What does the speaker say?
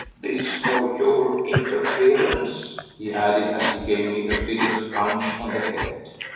This for your interference!" he added as he gave me a vigorous punch on the head.